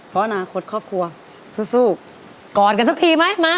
เพราะอนาคตครอบครัวสู้กอดกันสักทีไหมมา